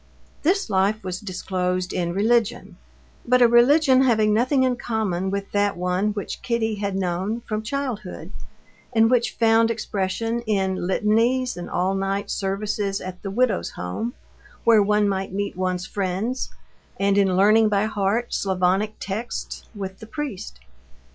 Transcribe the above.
This life was disclosed in religion, but a religion having nothing in common with that one which Kitty had known from childhood, and which found expression in litanies and all night services at the Widow's Home, where one might meet one's friends, and in learning by heart Slavonic texts with the priest.